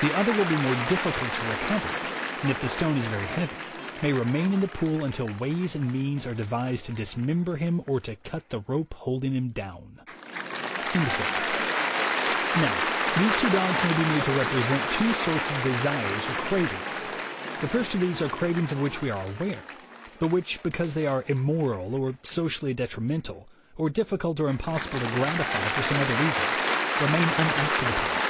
The other will be more difficult to recover, and if the stone is very heavy, may remain in the pool until ways and means are devised to dismember him or to cut the rope holding him down." Now these two dogs may be made to represent two sorts of desires or cravings. The first of these are cravings of which we are aware, but which, be cause they are "immoral," or socially detrimental, or difficult or impossible to gratify for some other reason, remain unacted upon.